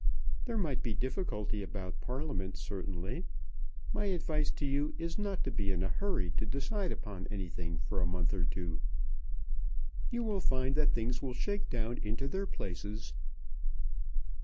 "There might be difficulty about Parliament certainly. My advice to you is not to be in a hurry to decide upon anything for a month or two. You will find that things will shake down into their places."